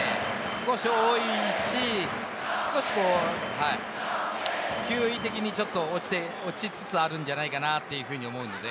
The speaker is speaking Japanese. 少し多いし、少し球威的に落ちつつあるんじゃないかなというふうに思うので。